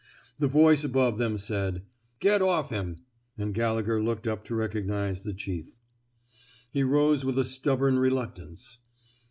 The voice above them said: Get off him; '' and Gallegher looked up to recognize the chief. He rose with a stubborn reluctance.